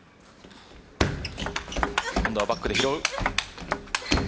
今度はバックで拾う。